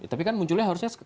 tapi kan munculnya harusnya